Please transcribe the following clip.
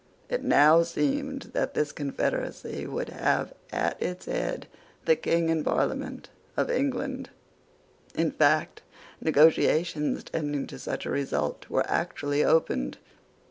It now seemed that this confederacy would have at its head the King and Parliament of England. In fact, negotiations tending to such a result were actually opened.